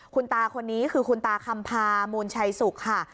คุณตาคนนี้คือคุณตาคำพามูลชัยสุขค่ะ